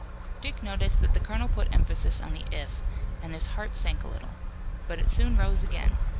Dick noticed that the colonel put emphasis on the "if" and his heart sank a little. But it soon rose again.